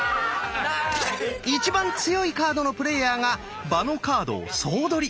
一番強いカードのプレーヤーが場のカードを総取り。